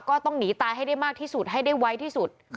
ก็ต้องหนีตายให้ได้มากที่สุดให้ได้ไวที่สุด